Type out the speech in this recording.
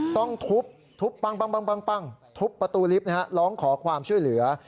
ต้องทุบปั้งทุบประตูลิฟต์ร้องขอความช่วยเหลือ